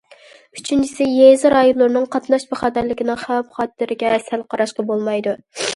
ئۈچىنچىسى، يېزا رايونلىرىنىڭ قاتناش بىخەتەرلىكىنىڭ خەۋپ- خەتىرىگە سەل قاراشقا بولمايدۇ.